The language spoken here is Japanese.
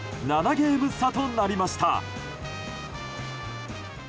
ゲーム差となりました。